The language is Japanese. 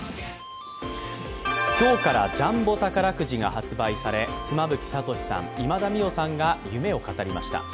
今日からジャンボ宝くじが発売され、妻夫木聡さん、今田美桜さんが夢を語りました。